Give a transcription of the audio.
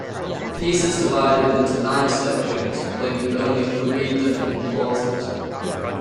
The piece is divided into nine sections played with only three definite pauses.